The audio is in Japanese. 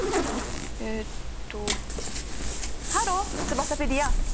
えっとハローツバサペディア。